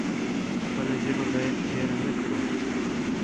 خپله ژبه بايد هېره نکړو.